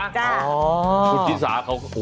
คุณฏีสา